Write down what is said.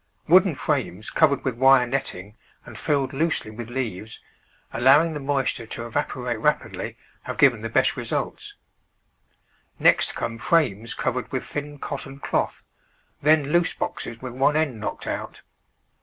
Wooden frames covered with wire netting and filled loosely with leaves, allowing the moisture to evaporate rapidly, have given the best results; next come frames covered with thin cotton cloth, then loose boxes with one end knocked out.